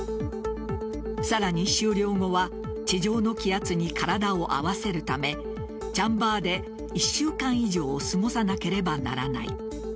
さらに終了後は地上の気圧に体を合わせるためチャンバーで１週間以上を過ごさなければならない。